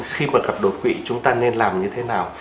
khi mà gặp đột quỵ chúng ta nên làm như thế nào